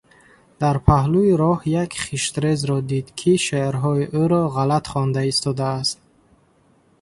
Дар паҳлуи роҳ як хиштрезро дид, ки шеърҳои ӯро ғалат хонда истодааст.